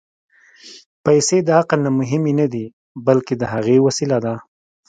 پېسې د عقل نه مهمې نه دي، بلکې د هغه وسیله ده.